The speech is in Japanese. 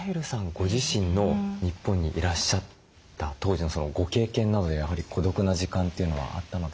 ご自身の日本にいらっしゃった当時のご経験などでやはり孤独な時間というのはあったのでしょうか？